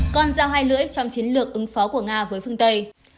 còn rao hai lưỡi trong chiến lược ứng phó của nga với phương tây